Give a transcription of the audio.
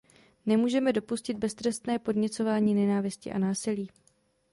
Nemůžeme dopustit beztrestné podněcování nenávisti a násilí.